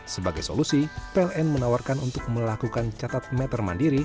sebagai solusi pln menawarkan untuk melakukan catat meter mandiri